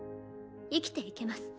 生きていけます。